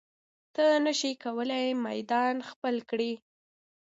ته نشې کولی میدان خپل کړې.